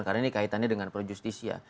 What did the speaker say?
karena ini kaitannya dengan projusticia